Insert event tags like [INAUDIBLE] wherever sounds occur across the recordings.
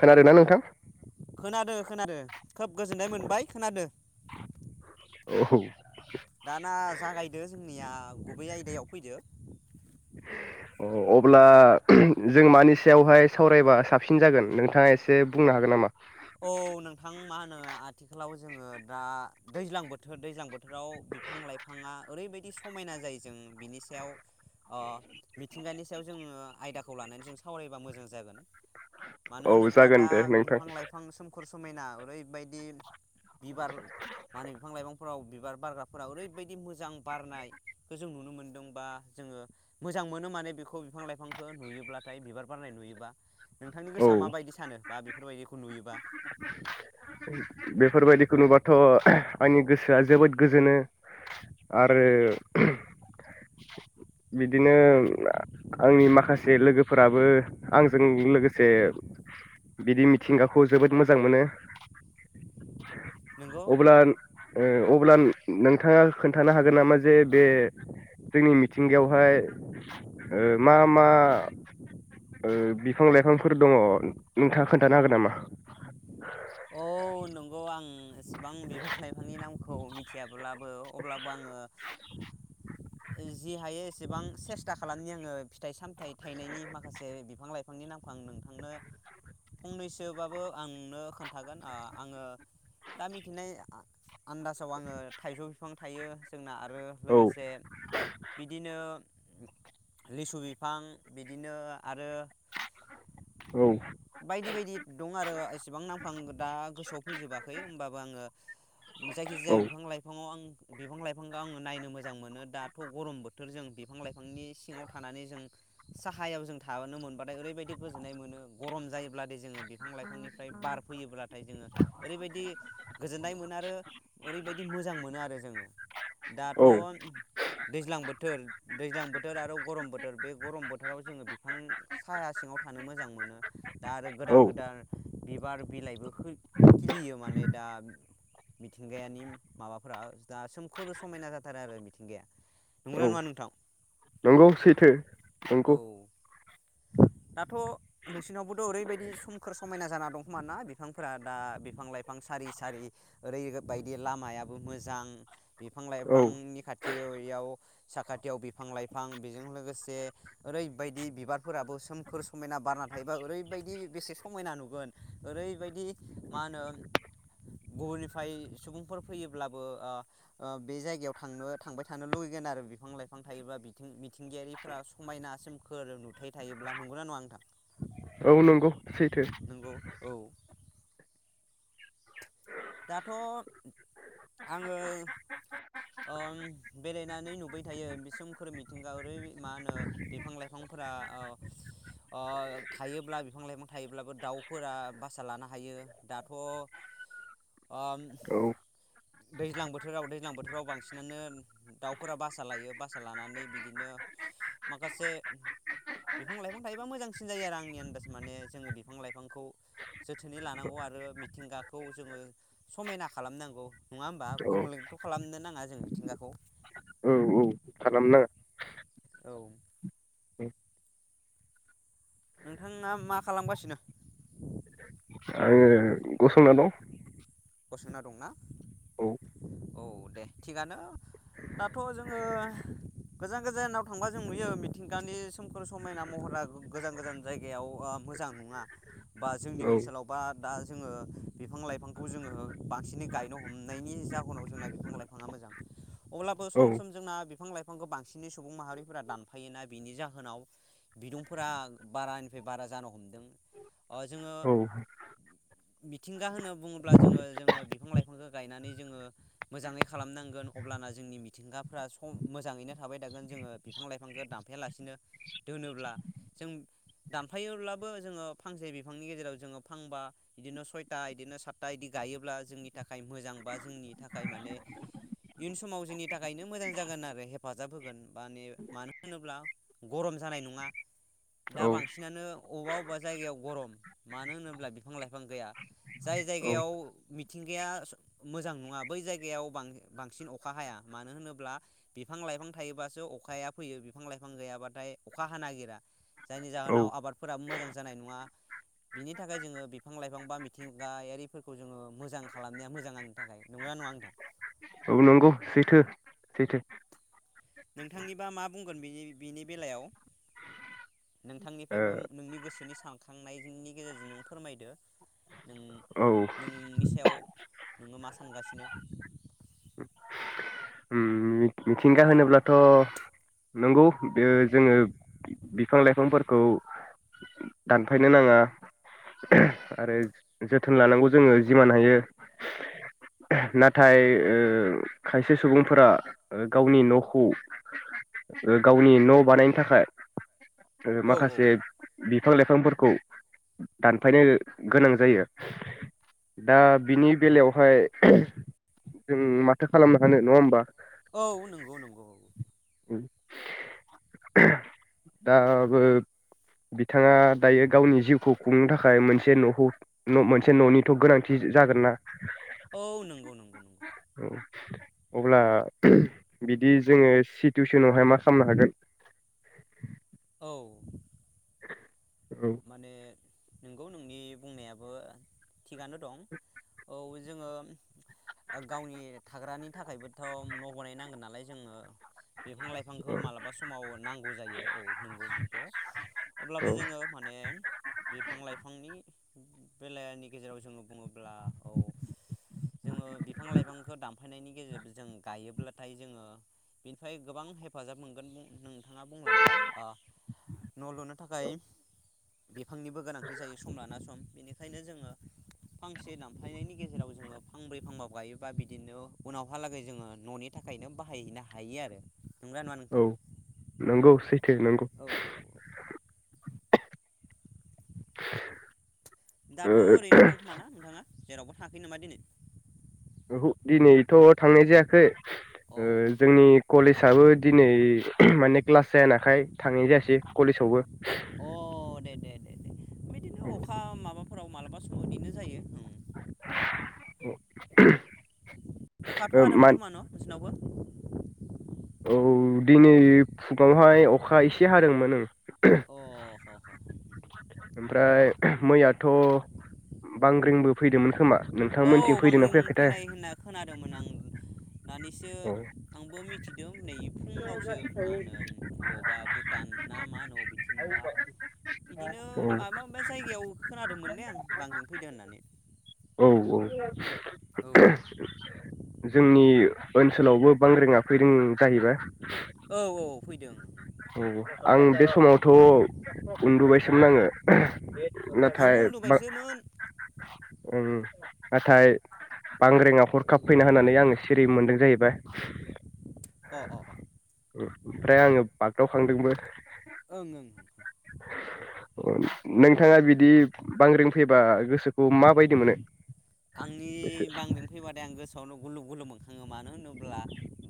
खोनादोंना नोंथां खोनादो खोनादो। खोब गोजोननाय मोनबाय खोनादों। औ। दाना जागायदो जोंनिया गुबै आयदायाव फैदो। अ अब्ला जों मानि सायावहाय सावरायबा साबसिन जागोन नोंथाङा एसे बुंनो हागोन नामा? औ नोंथां मा होनो आथिखालाव जोङो दा दैज्लां बोथोर दैज्लां बोथोर बोथोराव बिफां लाइफाङा ओरैबायदि बिदि समायना जायो जों बिनि सायाव ओ मिथिंगानि सायाव जोङो आयदाखौ लानानै जों सावरायबा मोजां जागोन। मानो औ होनोब्ला जागोन दा दे नोंथां। बिफां लाइफां सोमखोर समायना ओरैबायदि बिबार माने बिफां लाइफांफोराव बिबार बारग्राफोरााव ओरैबायदि मोजां बारनायखौ जों नुनो मोनदोंबा जोङो मोजां मोनो माने बेखौ बिफां लाइफांखौ नुयोब्लाथाय बिबार बारनाय नुयोबा नोंथांनि औ गोसोआ माबायदि सानो बा बेफोरबायदि बिबा बेफोरबायदिखौ नुबाथ' आंनि गोसोआ जोबोद गोजोनो आरो बिदिनो आंनि माखासे लोगोफोराबो आंजों लोगोसे बिदि मिथिंगाखौ जोबोद मोजां मोजां मोनो। नंगौ अब्ला औ ओ अब्ला नों नोंथाङा खोन्थानो हागोन नामा जे बे जोंनि मिथिंगायावहाय मा मा ओ बिफां-लाइफांफोर दङ नोंथाङा खोन्थानो हागोन नामा? औ नंगौ आं एसेबां बिफां लाइफांनि नामखौ मिथियाब अलाबो अब्लाबो आङो जि हायो एसेबां सेस्था खालामनि आङो फिथाइ सामथाइ थायनायनि माखासे बिफां लाइफांनि नामखौ आं नोंथांनो फंनैसोबाबो आंनो खोनथ थागोन आङो दा मिनाय आ आनदासाव आङो थाइजौ बिफां थायो जोंना ओ औ लोगोसे बिदिनो लिसु बिफां बिदिनो आरो औ। बायदि बायदि दं आरो एसेबां नांम फां दा गोसोआव फैजोबाखै होमबाबो आङो औ जायखिजाया बिफां लाइफाङाव आं बिफां लाइफांखौ आङो नायनो मोजां मोनो दाथ गरम बोथोर जों बिफां लाइफांनि सिङाव थानानै जों साहायाव जों थाबोनो मोनबाथाय ओरैबायदि गोजोननाय मोनो गरम जायोब्लाथाय जोङो बिफां लाइफांनिफ्राय बार फैयोब्लाथाय जोङो ओरैबायदि गोजोननाय मोनो आरो ओरैबायदि मोजां मोनो आरो जोङो। दाथ' औ दैज्लां बोथोर दैज्लां बोथोर आरो गरम बोथोर बे गरम बोथोराव जोङो बिफां साहाया सिङाव थानो मोजां मोनो दा आरो गोदान औ गोदान बिबार बिलाइबो खिलियो माने दा मिथिंगायानि माबाफोरा दा सोमखोरो समायना जाथारो आरो मिथिंगाया नंगौना औ नङा नोंथां? नंगौ सैथो नंगौ। औ दाथ' नोंसिनावबोथ' ओरैबायदि सोमखोर समायना जाना दं। समान ना बिफांफोरा दा बिफां लाइफां सारि सारि ओरैबायदि लामायाबो मोजां बिफां औ लाइफांनि खाथियाव साखाथियाव बिफां लाइफां बेजों लोगोसे ओरैबायदि बिबारफोराबो सोमखोर समायना बारना थायोबा ओरैबायदि बेसे समायना नुगोन ओरैबायदि मा होनो गुबुननिफ्राय सुबुंफोर फैयोब्लाबो बे जायगायाव थांनो थांबाय थानो लुुबैगोन आरो बिफां लाइफां थायोब्ला बिथिं मिथिंगायारिफोरा समायनासिमखोर नुथाय थायोब्ला नंगौना नङा नोंथां? औ नंगौ सैथो। नंगौ औ। दाथ' आङो ओम बेरायनानै नुबाय थायो बे सोमखोर मिथिंगा ओरै मा होनो बिफां लाइफांफोरा ओ थायोब्ला बिफां लाइफां थायोब्लाबो दाउफोरा बासा लानो हायो दाथ' ओम औ दैज्लां बोथोराव दैज्लां बोथोराव बांसिनानो दाउफोरा बासा लायो बासा लानानै बिदिनो माखासे बिफां लाइफां थायोबा मोजांसिन जायो आरो आंनि आन्दाज माने जोङो बिफां लाइफांखौ जोथोनै लानांगौ आरो मिथिंगाखौ जोङो समायना खालामनांगौ नङा होमबा औ गुबुनलेथ' खालामनो नाङा जों मिथिंगाखौ। औ औ खालामनाङा औ। नोंथाङा मा खालामगासिनो? आङो गसंना दं। गसंना दंना औ औ दे थिगानो दाथ जोङो गोजान गोजानाव थांबा जों नुयो मिथिंगानि सोमखोर समायना महरा गोजान गोजान जायगायाव मोजां नङा बा जोंनि औ ओनसोलाव बा दा जोङो बिफां लाइफांखौ जोङो बांसिनै गायनो हमनायनि जाहोनाव जोंना बिफां लाइफाङा मोजां अब्लाबो औ सम सम जोंना बिफां लाइफांखौ बांसिनै सुबुं माहारिफोरा दानफायोना बिनि जाहोनाव बिदुंफोरा बारानिफ्राय बारा जानो हमदों जोङो मिथिंगा होनो बुङो। अब्ला जोङो जोङो बिफां लाइफांखौ गायनानै जोङो मोजाङै खालामनांगोन अब्लाना जोंनि मिथिंगाफ्रा सम मोजाङैनो थाबाय थागोन जोङो बिफां लाइफांखौ दानफायालासिनो दोनोब्ला जों दानफायोब्लाबो जोङो फांसे बिफांनि गेजेराव जोङो फांबा बिदिनो सयथा बिदिनो सात ता बायदि गायोब्ला जोंनि थाखाय मोजां बा जोंनि थाखाय माने इयुन समाव जोंनि थाखायनो मोजां जागोन आरो हेफाजाब होगोन माने मानो होनोब्ला गरम जानाय नङा दा औ बांसिनानो अबेबा अबेबा जायगायाव गरम मानो होनोब्ला बिफां लाइफां गैया जाय जायगायाव औ मिथिंग मोजां नङा बै जायग बांसिन अखा हाया मानो होनोब्ला बिफां लाइफां थायोबसो अखाया फैयो बिफां लाइफां गैयाबाथाय अखा हानो नागिरा जायनि जाहोनाव आबादफोराबो मोजां जानाय नङा बिनि थाखाय जोङो बिफां लाइफां बा मिथिंगा जोङो मोजांनाया मोजां आंनि थाखाय नंगौना नङा नोंथां? नंगौ औ सैथो सैथो नोंथांनिबा मा बुंगोन बेनि बिनि बेलायाव नोंथांनिफ्रायबो नोंनि गोसोनि सानखांनायनि गेजेरजों नों फोरमायदो नों ओ औ नोंनि सायाव नोङो मा सानगासिनो उम मिथिंगा होनोब्लाथ नंगौ बे जोङो बिफां लाइफांफोरखौ दानफायनो नाङा आरो जोथोन लानांगौ जोङो जिमान हायो नाथाय ओ खायसे सुबुंफोरा गावनि न'खौ गावनि न'बानायनो थाखाय आरो औ औ माखासे बि बिफां लाइफांफोरखौ दानफायनो गोनां जायो दा बिनि बेलायावहाय जों माथो खालामनो हानो नङा होमबा औ औ नंगौ नंगौ दा बो बिथाङा दायो गावनि जिउखौ खुंनो थाखाय मोनसे न'खौ मोनसे न'निथ गोनांथि जागोन ना औ नंगौ नंगौ औ अब्ला बिदि जोङो सिटुवेसनावहाय मा खालामनो हागोन औ माने नोंगौ नोंनि बुंनायाबो थिगानो दं औ जोङो गावनि थाग्रानि थाखायबोथ न' बनाय नांगोन नालाय जोङो बिफां लाइफांखौ मालाबा समाव नांगौ जायो औ नंगौ बेबो अब्लाबो औ जोङो माने बिफां लाइफांनि बेलानि गेजेराव जोङो बुङोब्ला औ जोङो बिफां लाइफांखौ दानफायनायनि गेजेरजों गायोब्लाथाय जोङो बिनिफ्राय गोबां हेफाजाब मोनगोन नोंथाङा बुंलांबाय न' लुनो थाखाय बिफांनिबो गोनांथि जायो सम लाना सम बेनिखायनो जोङो फांसे दामफायनायनि गेजेराव जोङो फांब्रै फांबा गायोबा बिदिनो उनावहालागै जोङो न'नि थाखायनो बाहायहैनो हायो आरो नंगौना नङा नोंथां औ नंगौ सै थो नंगौ औ दाथ' ओरैनो दंखोमा ना नोंथाङा जेरावबो थाखै नामा दिनै दिनैथ' थांनाय जायाखै औ जोंनि कलेजआबो दिनै माने क्लास जायानाखाय थांनाय जायासै कलेजावबो अ दे दे दे बिदिनो अखा माबा फोराव मालाबा सबिदिनो जायो औ अखाथ' हादोंमोन खोम न' नोंसिनावबो औ दिनै फुङावहाय अखा एसे हादोंमोन ओं अ अ अ ओमफ्राय मैयाथ बांग्रिंबो फैदोंमोन खोमा औ नोंथांमोनथिं फैदोंना बांग्रि फैयाखैथाय फैनाय होनना खोनादोंमोन आं दानि सो औ आंबो मिथिदों नै फुुंङावसो मा होनो बबावबा भुटान ना मा होनो अबेथिंबा बिदिनो औ माबा माबा जायगायाव खोनादोंमोनलेै आं बांग्रि फैदों होननानै औ औ औ जोंनि ओनसोलावबो बांग्रिंङा फैदों जाहैबाय औ औ फैदों औ आं बे समावथ उन्दुबायसोमोन आङो नाथाय आंबो बां उन्दुबायसोमोन नाथाय बांग्रिंङा हरखाब फैना होनानै आङो सिरि मोनदों जाहैबाय अ अ आमफ्राय आङो बागदावखांदोंबो ओं ओं नोंथाङा बिदि बांग्रिं फैबा गोसोखौ माबायदि मोनो? एसे आंनि बांग्रिं फैबाथाय आं गोसोआवनो गुलु गुलुबमोन आङो मानो होनोब्ला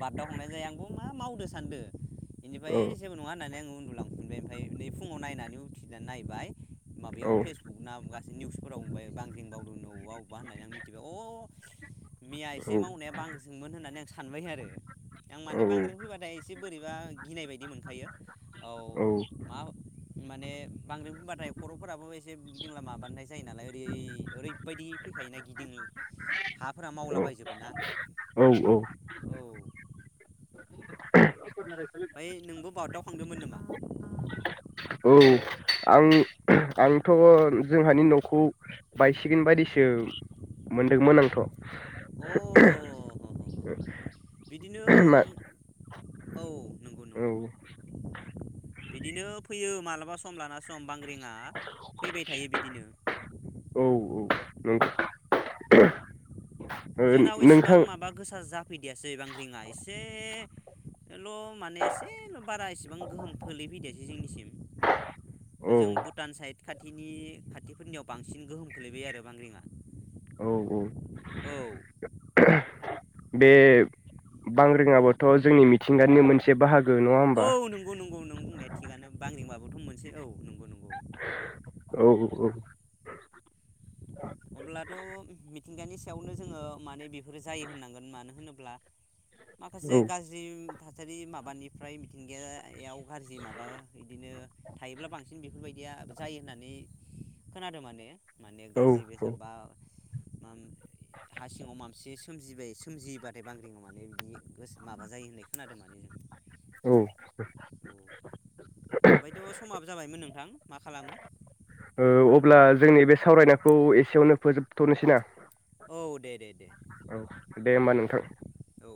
बारदा हमनाय जायो आंबो मा मावदो सानदों। बेनिफ्राय औ जेबो नङा होननानै आं उन्दुलांफिनबाय ओमफ्राय नै फुङाव नायनानै उथिनानै नायबाय माबायाव औ फेसबुक ना निउसफोराव मोनबाय बांग्रिं मावदों अबावबा अबावबा होननानै आं मिथि बिदिब्ला अ मिया औ एसे मावनाया बांग्रिंमोन होननानै आं सा सानबाय आरो आं औ माने बांग्रिं फैबाथाय एसे बोरैबा गिनाय बायदि मोनखायो औ मा माने बांग्रिं बुंबाथाय खर'फोराबो एसे गिदिंला माबानानाय जायो नालाय ओरै ओरै बायदि फैखायो यो गिदिं हाफोरा मावला औ बायजोबो ना औ औ औ। ओमफ्राय नोंबो बागदाव खांदोंमोन नाम औ आं आंथ' जोंहानि न'खौ बायसिगोन बायदिसो मोनदोंमोन आंथ। अ बिदिनो मा औ नंगौ औ नंगौ। बिदिनो फैयो मालाबा सम लाना सम। बांग्रिंआ फैबाय थायो बिदिनो। [UNINTELLIGIBLE] जोंनाव एसेबां नोंथां माबा गोसा जाफैदियासे बांग्रिंया एसे एसे ल माने एसेल बारा इसेबां गोहोम खोलैफैदियासै जोंनिसिम। औ जों भुटान साइड खाथिनि खाथिफोरनियाव बांसिन गोहोम खोलैबाय आरो बांग्रिंआ औ औ औ। [INAUDIBLE] बे बांग्रिंयाबोथ' जोंनि मिथिंगानिनो मोनसे बाहाग औ नंगौ नंगौ नों बुंनाया थिगानो बांग्रिं माबा थ' मोनसे औ नंगौ नंगौ। औ औ अब्लाद मिथिंगानि सायावनो जोङो माने बेफोरो जायो होननांगोन मानो होनोब्ला माखासे औ गाज्रिम थासारि माबानिफ्राय मिथिंगायाव गाज्रि माबा इदिनो थायोब्ला बांसिन बेफोरबायदिया जायो होननानै खोनादो माने। माने औ गाज्रि बे [UNINTELLIGIBLE] औ ओम हा सिङाव मांसे सोमजिबाय सोमजियोबाथाय बांग्रिङाव माने बिदि गोसो माबा जायो होननाय खोनादोंमोन। औ [INAUDIBLE] ओमफायथ समाबो जाबायमोन नोंथां मा खालामो? ओ अब्ला जोंनि बे सावरायनायखौ एसेयावनो फोजोबथनोसै ना। औ दे दे दे। औ दे होमबा नोंथां। औ।